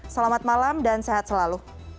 selamat malam dan sehat selalu